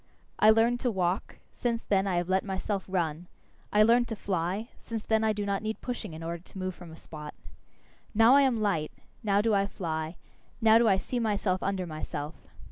I learned to walk; since then have I let myself run. I learned to fly; since then I do not need pushing in order to move from a spot. Now am I light, now do I fly; now do I see myself under myself.